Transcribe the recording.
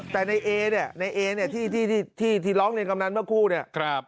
แต่ในเอเนี่ยในเอเนี่ยที่ร้องเรียนกำนันเมื่อคู่เนี่ย